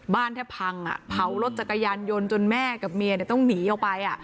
แทบพังเผารถจักรยานยนต์จนแม่กับเมียต้องหนีออกไป